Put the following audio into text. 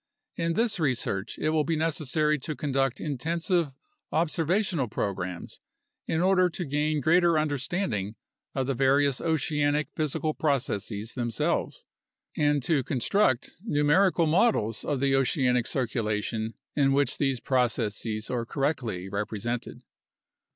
In this research, it will be necessary to conduct intensive observational programs in order to gain greater understanding of the various oceanic physical processes themselves and to construct numerical models of the oceanic circulation in which these processes are correctly represented.